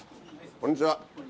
こんにちは。